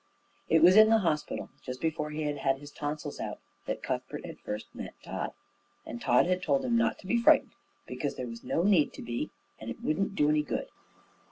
It was in the hospital, just before he had had his tonsils out, that Cuthbert had first met Tod; and Tod had told him not to be frightened, because there was no need to be, and it wouldn't do any good.